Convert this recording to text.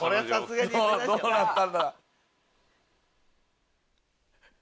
どうなったんだ？